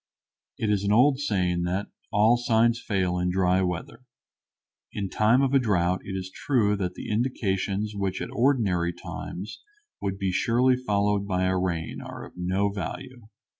It is an old saying that "all signs fail in dry weather." In time of a drought it is true that the indications which at ordinary times would be surely followed by a rain are of no value.